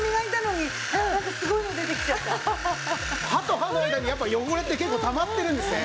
私歯と歯の間に汚れって結構たまってるんですね。